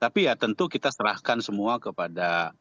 tapi ya tentu kita serahkan semua kepada